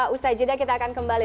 usai jeda kita akan kembali